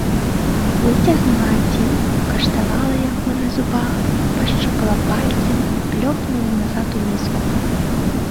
Выцягнула адзін, пакаштавала яго на зубах, пашчупала пальцамі і плёхнула назад у міску.